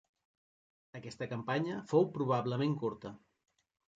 Aquesta campanya fou probablement curta.